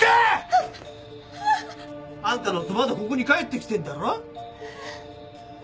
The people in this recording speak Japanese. あっ！あんたの夫まだここに帰ってきてんだろ？